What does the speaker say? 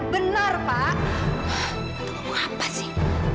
hah ngomong apa sih